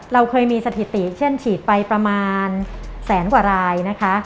เราเคยมีสถิติเช่นฉีดไปประมาณแสนกว่ารายนะคะ